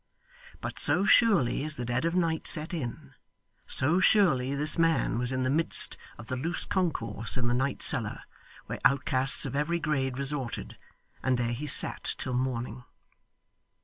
But so surely as the dead of night set in, so surely this man was in the midst of the loose concourse in the night cellar where outcasts of every grade resorted; and there he sat till morning.